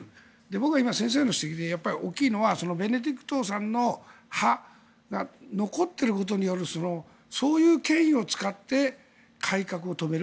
僕は今、先生の指摘で大きいのはベネディクトさんの派が残っていることによりそういう権威を使って改革を止める。